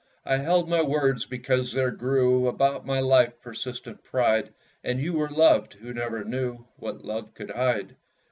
I held my words because there grew About my life persistent pride; And you were loved, who never knew What love could hide!